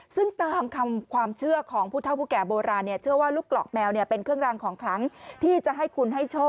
ซึ่งตามคำความเชื่อของผู้เท่าผู้แก่โบราณเชื่อว่าลูกกรอกแมวเป็นเครื่องรางของคลังที่จะให้คุณให้โชค